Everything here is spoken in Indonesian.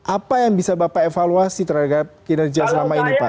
apa yang bisa bapak evaluasi terhadap kinerja selama ini pak